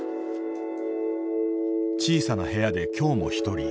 小さな部屋で今日もひとり。